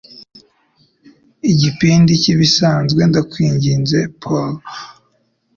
Igipindi cyibisanzwe ndakwinginze, Paul